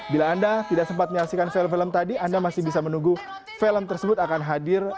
bila anda tidak sempat menyaksikan film film tadi anda masih bisa menunggu film tersebut akan hadir